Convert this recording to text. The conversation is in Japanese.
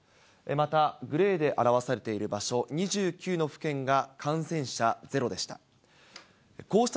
また、グレーで表わされている場所、２９の府県が感染者０でした。